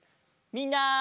みんな！